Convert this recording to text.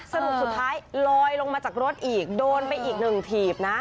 สรุปสุดท้ายลอยลงมาจากรถอีกโดนไปอีกหนึ่งถีบนะ